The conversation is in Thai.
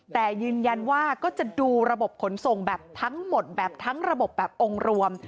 แต่ยืนยันว่าก็จะดูระบบขนส่งแบบทั้งหมดแบบทั้งระบบแบบองค์รวม